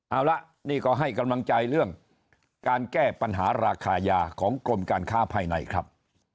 เอาละนี่ก็ให้กำลังใจเรื่องการแก้ปัญหาราคายาของกรมการค้าภายในครับ